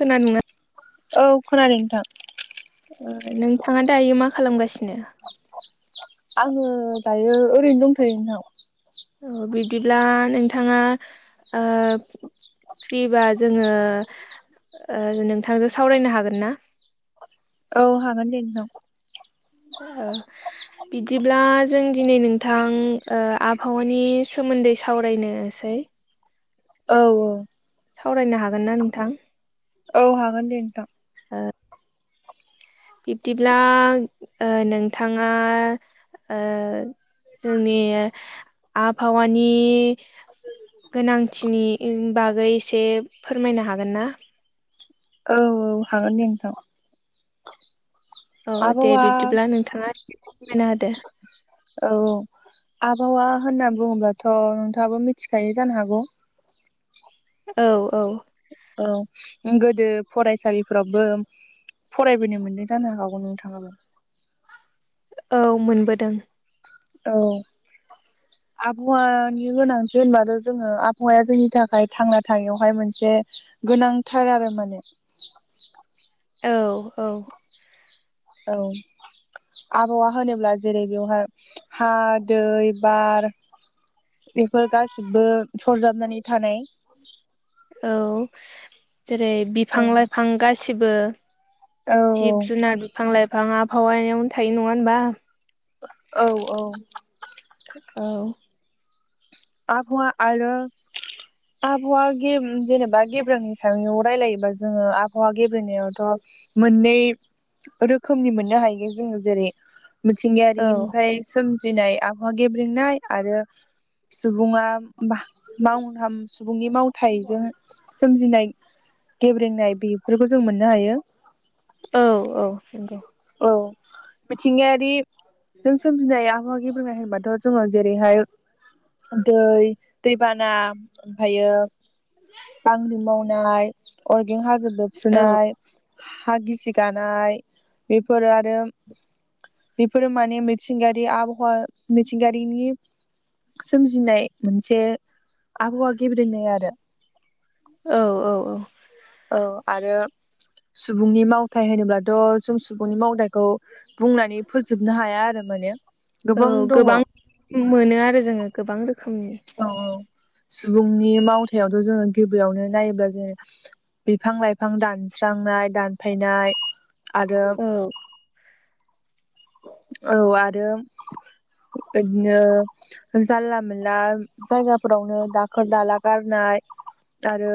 खोनादोंना औ खोनादों नोंथां नोंथाङा दायो मा खालामगासिनो आङो दायो ओरैनो दंथ'यो नोंथां औ बिब्दिब्ला नोंथाङा ओ फ्रिबा जोङो ओ नोंथांजों सावरायनो हागोन ना? औ हागोन दे नोंथां [unintelligible] बिदिब्ला जों दिनै नोंथां ओ आबहावानि सोमोन्दै सावरायनोसै औ औ सावरायनो हागोन ना नोंथां? औ हागोन दे नोंथां। ओ बिब्दिब्ला ओ नोंथाङा ओ जोंनि आबहावानि गोनांथिनि बागै एसे फोरमायनो हागोनना औ औ हागोन दे नोंथां औ दे आबहावा बिबदिब्ला नोंथाङा एसेसे फोरमायना होदो औ आबहावा होनना बुङोब्लाथ' नोंथाङाबो मिथिखायो जानो हागौ। औ औ औ गोदो फरायसालिफोरावबो फरायबोनो मोन्दों जानो हागौ नोंथाङाबो औ मोनबोदों औ आबहावानि गोनांथि होनबाथ' जोङो आबहावाया जोंनि थाखाय थांना थानायावहाय मोनसे गोनांथार आरो माने औ औ औ आबहावा होनोब्ला जेरै बेवहाय हा दै बार बेफोर गासिबो सरजाबनानै थानाय औ जेरै औ बिफां लाइफां गासिबो जिब जुनार बिफां लाइफां आबावायावनो थायो नङा ओनबा औ औ औ आबहावा आरो आबहावा गे जेनेबा गेब्रेंनायनि सायाव रायलायोबा जोङो आबहावा गेब्रेंनायावथ' मोननै रोखोमनि मोननो हायो जोङो जेरै औ मिथिंगायारिनिफ्राय सोमजिनाय आबहावा गेब्रेेंनाय आरो सुबुङा माव हाम सुबुंनि मावथायजों सोमजिनाय गेब्रेंनाय बेफोरखौ जों मोननो हायो औ औ नंगौ औ मिथिंगायारि जों सोमजिनाय आबहावा गेब्रेंनाय होनबाथ' जोङो जेरैहाय दै दैबाना ओमफ्रायो बांग्रि मावनाय अरगें हाजो‌ औ बेरफ्रुनाय हा गिसि गानाय बेफोरो आरो बेफोरो माने मिथिंगारि आबहावा मिथिंगारिनि सोमजिनाय मोनसे आबहावा गेब्रेनाय आरो औ औ औ आरो सुबुंनि मावथाय होनोब्लाथ' जों सुबुंनि मावथाइखौ बुंनानै फोजोबनो हाया आरो माने औ गोबां मोनो आरो जोङो गोबां रोखोमनि औ औ सुबुंनि मावथायावथ' जोङो गिबियावनो नायोब्ला जोङो बिफां लाइफां दानस्रांनाय दानफायनाय आरो औ औ आरो बिदिनो जानला मोनला जायगाफोरावनो दाखोर दाला गारनाय आरो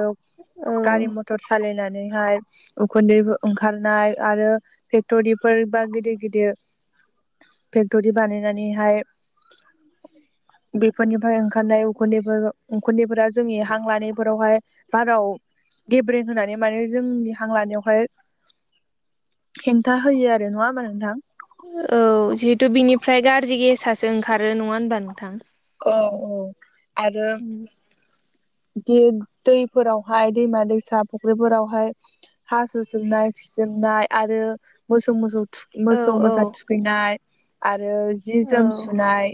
औ गारि मथर सालायनानैहाय उखुन्दै ओंखारनाय आरो फेक्टरिफोर ए बा गिदिर गिदिर फेक्ट'रि बानायनानैहाय बेफोरनिफ्राय ओंखारनाय उखुन्दैफोर उखुन्दैफोरा जोंनि हां लानायफोरावहाय बाराव गेब्रें होनानै माने जोंनि हां लानायावहाय हेंथा होयो आरो नंङा होमबा नोंथां औ जिहेथु बिनिफ्राय गाज्रि गेससो ओंखारो नंङा होनबा नोंथां अ आरो बिदि दैफोरावहाय दैमा दैसा फुख्रिफोरावहाय हा सुजोबनाय फिजोबनाय आरो मोसौ मोसौ औ मोसौ औ मोसा थुखैनाय आरो जि जोम औ सुनाय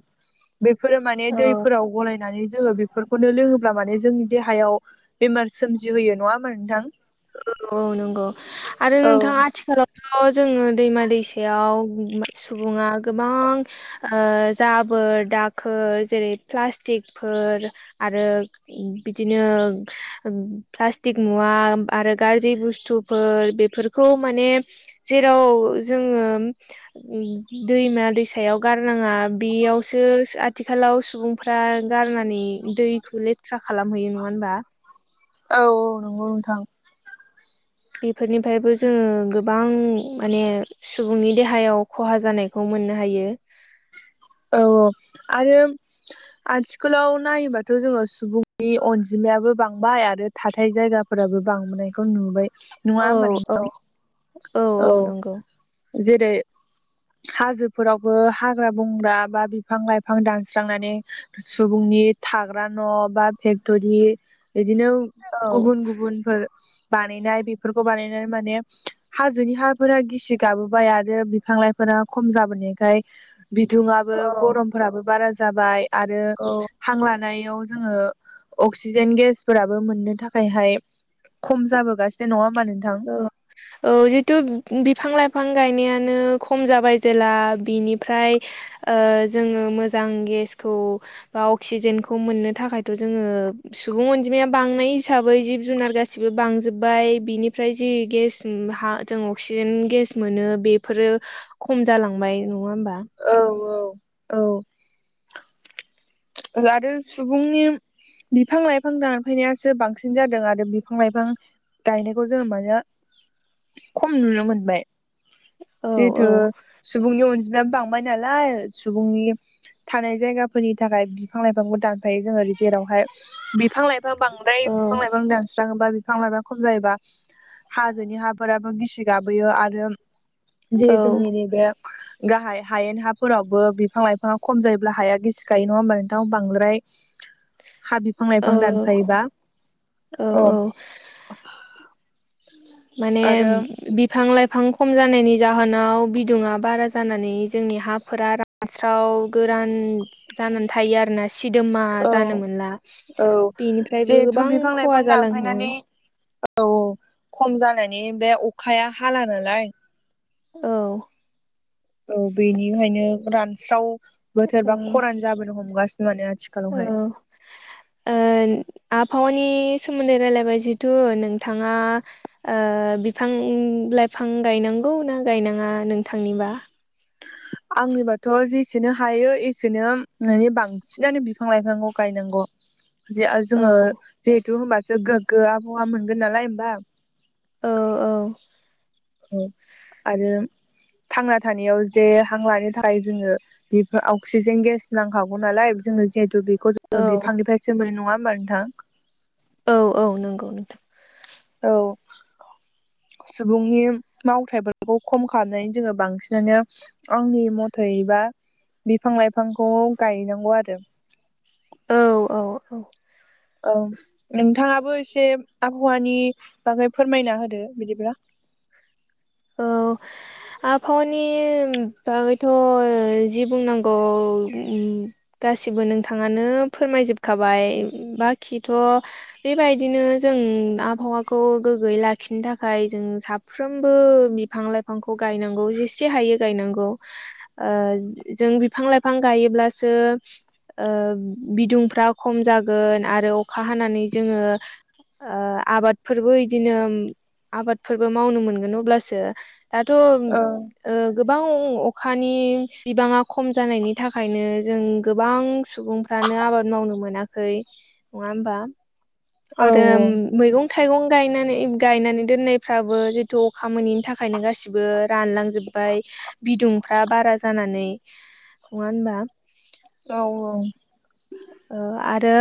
बेफोरो माने औ दैफोराव गलायनानै जोंङो बेफोरखौनो लोंङोब्ला माने जोंनि देहायाव बेमार सोमजिहोयो नंङा होमा नोंथां औ औ नंगौ आरो औ नोंथां आथिखालाव जोंङो दैमा दैसायाव सुबुंङा गोबां जाबोर दाखोर जेरै प्लास्टिकफोर आरो बिदिनो प्लास्टिक मुवा आरो गाज्रि बुस्थुफोर बेफोरखौ माने जेराव जोंङो दैमा दैसायाव गारनांङा बेयावसो आथिखालाव सुबुं फ्रा गारनानै दैखौ ले खालामहैयो नङा होनबा औ औ नंगौ नोंथां बेफोरनिफ्रायबो जोंङो गोबां माने सुबुंनि देहायाव खहा जानायखौ मोननो हायो। औ आरो आथिखालाव नायोबाथ' जोंङो सुबुंनि अनजिमायाबो बांबाय आरो थाथाय जायगाफोराबो बांबोनायखौ नुबाय नंङा औ होमबा औ नोंथां औ जेरै हाजोफोरावबो हाग्रा बंग्रा बा बा बिफां लाइफां दानस्रांनानै सुबुंनि थाग्रा न' बा फेक्ट'रि बिदिनो औ गुबुन गुबुनफोर बानायनाय बेफोरखौ बानायनानै माने हाजोनि हाफोरा गिसि गाबोबाय आरो बिफां लाइफोरा खम जाबोनायखाय बिदुङाबो औ गरमफोराबो बारा जाबाय आरो औ हां लानायाव जोंङो अक्सिजेन गेसफोराबो मोननो थाखायहाय खम जाबोगासिनो नंङा होनबा नोंथां औ औ जितु बिफां - लाइफां गायनायानो खम जाबाय जेला बिनिफ्राय जोंङो मोजां गेसखौ बा अक्सिजेनखौ मोननो थाखायथ' जोंङो सुबुं अनजिमाया बांनाय हिसाबै जिब जुनार गासिबो बांजोब्बाय बिनि ओमफ्राय जि गेस हा जों अक्सिजेन गेस मोनो बेफोरो खम जालांबाय नंङा होमबा औ औ औ आरो सुबुंनि बिफां लाइफां दानफायनायासो बांसिन जादों आरो बिफां लाइफां गायनायखौ जोंङो मानो खम नुनो मोनबाय औ जिथु सुबुंनि अनजिमायाबो बांबाय नालाय सुबुंनि थानाय जायगाफोरनि थाखाय बिफां लाइफांबो दानफायो जोङो जेरावहाय बिफां लाइफां बांद्राय बिफां लाइफां दान नबा बिफां लाइफां खम जायोबा हाजोनि हाफोराबो गिसि गाबोयो आरो जि औ जोंनि नैबे गाहाय हायेन हाफोरावबो बिफां लाइफाङा खम जायोब्ला हाया गिसि गायो नङा होमबा नोंथां बांद्राय हा बिफां औ लाइफां दानफायोबा औ माने आरो बि बिफां लाइफां खम जानायनि जाहोनाव बिदुङा बारा जानानै जोंनि हाफोरा हास्राव गोरान जानानै थायो आरोना सिदोमा औ जानो मोनला औ बेनिफ्रायबो जिहेथु गोबां बिफां लाइफां खहा जालाङो दानफायनानै औ खम जानायनि बे अखाया हाला नालाय औ औ बेनिहायनो रानस्राव औ बोथोरबा खरान जाबोनो हमगासिनो माने औ आथिखालावहाय ओ आबहावानि सोमोन्दै रायलायबाय जिथु नोंथाङा ओ बिफां लाइफां गायनांगौ ना गायनाङा नोंथांनिबा [inaudible] आंनिबाथ' जेसेनो हायो एसेनो माने बांसिनानो बिफां लाइफांखौ गायनांगौ जे आरो औ जोङो जिहेथु होमबासो गोग्गो आबहावा मोनगोन नालाय होमबा औ-औ औ आरो थांना थानायाव जे हां लानो थाखाय जोङो बेफोर अक्सिजेन गेस नांखागौ नालाय जोंनो जिहेथु बेखौ जे औ बिफांनिफ्रायसो मोनो नङा होमबा नोंथां औ-औ नंगौ नोंथां औ सुबुंनि मावथाइफोरखौ खम खालामनानै जोङो बांसिनानो आंनि मथैबा बिफां लाइफांखौ गायनांगौ आरो औ-औ-औ औ नोंथाङाबो एसे आबहावानि बागै फोरमायना होदो बिदिब्ला औ आबहावानि बागैथ' जि बुंनांगौ गासिबो नोंथाङानो फोरमायजोबखाबाय बाखिथ' बेबायदिनो जों आबहावाखौ गोग्गोयै लाखिनो थाखाय जों साफ्रोम बो बिफां लाइफांखौ गायनांगौ जेसे हायो गायनांगौ ओ जों बिफां लाइफां गायोब्लासो ओ बिदुंफ्रा खम जागोन आरो अखा हानानै जोङो आबादफोरबो इदिनो आबादफोरबो मावनो मोनगोन औ अब्लासो दाथ' औ गोबां अखानि बिबाङा खम जानायनि थाखायनो जों गोबां सुबुं फ्रानो आबाद मावनो मोनाखै नङा होमबा औ आरो मैगं थाइगं गायनानै गायनानै दोननायफ्राबो जिथु अखा मोनोैनि थाखायनो गासिबो रानलांजोबबाय बिदुंफ्रा बारा जानानै नङा होनबा औ औ ओ आरो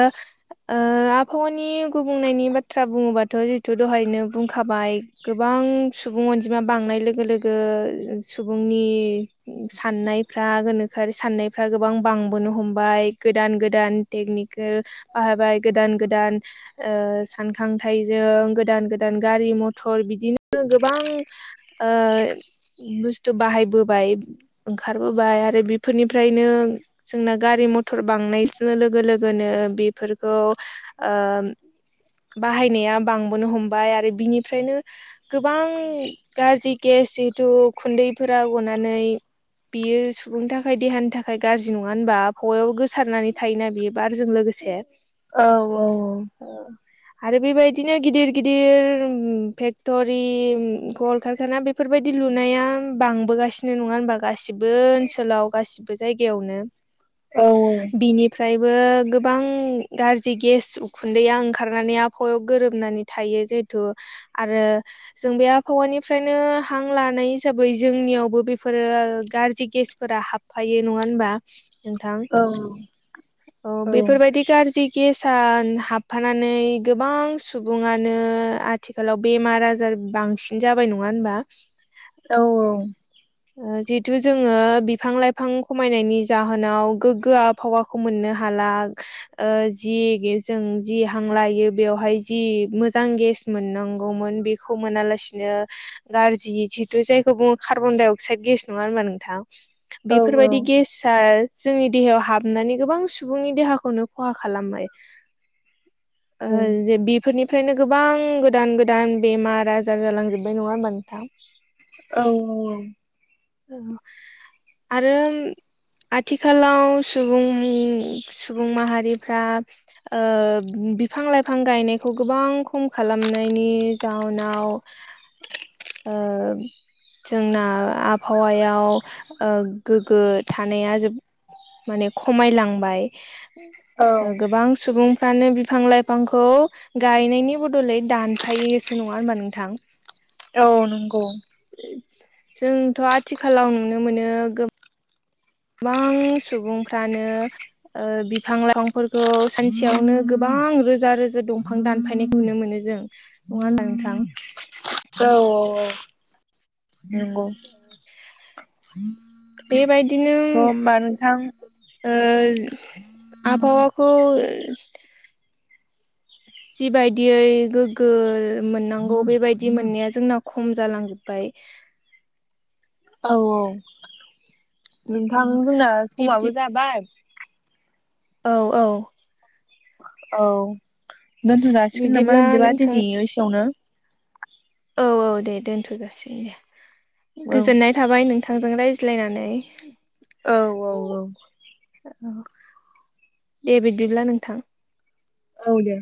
आबहावानि गुबुंनायनि बाथ्रा बुङोबाथ' जिहेतु दहायनो बुंखाबाय गोबां सुबुं अनजिमा बांनाय लोगो लोगो सुबुंनि साननायफ्रा गोनोखोआ साननायफ्रा गोबां बांबोनो हमबाय गोदान गोदा गोदान टेकनिकेल बाहाय गोदान गोदान सानखांथायजों गोदान गोदान गारि मथर बिदिनो गोबां ओ बुस्थु बाहायबोबाय ओंखारबोबाय आरो बेफोरनिफ्रायनो जोंना गारि मथर बांनाय ओ लोगो लोगोनो बेफोरखौ ओम बाहायनाया बांबोनो हमबाय आरो बिनिफ्रायनो गोबां गाज्रि गेस जिहेतु खुन्दैफोरा गनानै बियो सुबुंनि थाखाय देहानि थाखाय गाज्रि नङा होनबा आफवायावबो गोसारनानै थायोना बियो बारजों लोगोसे औ औ औ उम आरो बेबायदिनो गिदिर गिदिर फेक्ट'रि कल कारखाना बे बेफोरबायदि लुनाया बांबोगासिनो नङा होनबा गासिबो ओनसोलाव गासिबो जायगायावनो औ औ बिनिफ्रायबो गोबां गाज्रि गेस उखुन्दैया ओंखारनानै आबहावायाव गोरोबनानै थायो जेहेथु आरो जों बे आबहावानिफ्रायनो हां लानाय हिसाबै जोंनियावबो बेफोरो गाज्रि गेसफोरा हाब फायो नङा होनबा नोंथां औ औ बेफोरबायदि गारजि गेसआ हाबफानानै गोबां सुबुङानो आथि आथिखालाव बेमार आजार बांसिन जाबाय नङा होनबा औ औ जितु जोङो बिफां लाइफां खमायनायनि जाहोनाव गोगो आबहावा खौ मोननो हाला जि जों जि हां लायो बेवहाय जि मोजां गेस मोननांगौमोन बे खौ मोनालासिनो गाज्रि जिहेतु जायखौ बुङो कार्बनडाइ अक्साइद गेस नङा होनबा नोंथां औ बेफोरबादि गेसआ जोंनि देहायाव हाब नानै गोबां सुबुंनि देहाखौनो खहा खालामबाय बेफोरनिफ्रायनो गोबां गोदान गोदान बेमार आजार जालांजोबबाय नङा होमबा नोंथां औ औ आरोम आथिखालाव सुबुंनि सुबुं माहारिफ्रा ओ बिफां लाइफां गायनायखौ गोबां खम खालामनायनि जाउनाव [inaudible] ओ जोंना आबहावायाव ओ गोग्गो थानाया जो माने खमायलांबाय औ ओ गोबां सुबुं फ्रानो बिफां लाइफांखौ गायनायनि बदलै दानफायोसो नङा होनबा नोंथां औ नंगौ जोंथ' आथिखालाव नुनो मोनो गो बां सुबुंफ्रानो ओ बिफां लाइफांफोरखौ सानसेयावनो गोबां रोजा रोजा दंफां दानफा यनायखौ नुनो मोनो जों नङा होनबा नोंथां औ औ औ नंगौ बेबाय अ होमबा नोंथां ओ आबहावाखौ जिबायदियै गोग्गो मोननांगौ बेबायदि मोननाया जोंना खम जालांजोबबाय औ औ नोंथां जोंना बिब्दि समाबो जाबाय औ औ औ दोनथ' जासिगोन नामा बिदिब्ला बिदिबा नोंथां दिनै एसेयावनो औ औ दे दोनथ'जासिनो दे औ गोजोननाय थाबाय नोंथांजों रायज्लायनानै औ औ औ औ दे बिदिब्ला नोंथां औ दे